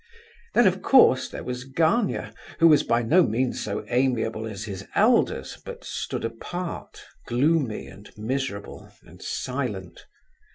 Then, of course, there was Gania who was by no means so amiable as his elders, but stood apart, gloomy, and miserable, and silent.